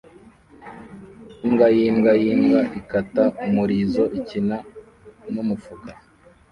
imbwa yimbwa yimbwa ikata umurizo ikina numufuka